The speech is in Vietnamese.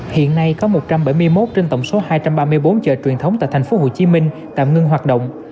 hiện nay có một trăm bảy mươi một trên tổng số hai trăm ba mươi bốn chợ truyền thống tại tp hcm tạm ngưng hoạt động